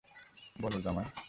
বলো, জামাই।